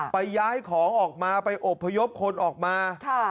ย้ายของออกมาไปอบพยพคนออกมา